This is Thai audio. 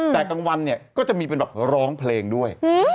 แต่กลางวันเนี่ยก็จะมีเป็นแบบร้องเพลงด้วย